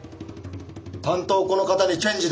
担当をこの方にチェンジで！